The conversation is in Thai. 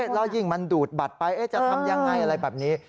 แล้วยิ่งมันดูดบัตรไปจะทำยังไงอะไรแบบนี้